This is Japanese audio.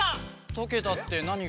とけたってなにが？